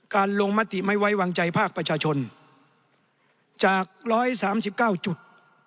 การลงมาติไม่ไว้วางใจภาคประชาชนจากร้อยสามสิบเก้าจุด